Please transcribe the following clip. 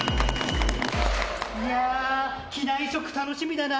いやあ、機内食楽しみだな。